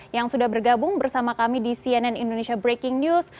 yang sudah bergabung bersama kami di cnn indonesia breaking news